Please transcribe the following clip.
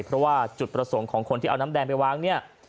เพราะว่าจุดประสงค์ของคนที่เอาน้ำแดงไปวางเนี่ย